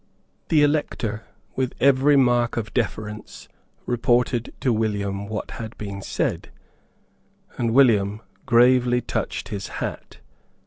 The Elector, with every mark of deference, reported to William what had been said; and William gravely touched his hat.